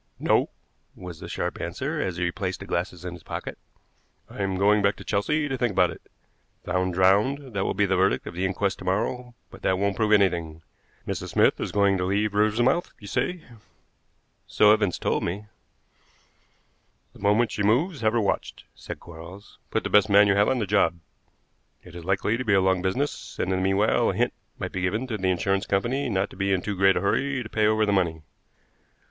"No," was the sharp answer as he replaced the glasses in his pocket. "I'm going back to Chelsea to think about it. Found drowned; that will be the verdict of the inquest to morrow, but that won't prove anything. Mrs. Smith is going to leave Riversmouth, you say?" "So Evans told me." "The moment she moves have her watched," said Quarles. "Put the best man you have on to the job. It is likely to be a long business, and in the meanwhile a hint might be given to the insurance company not to be in too great a hurry to pay over the money."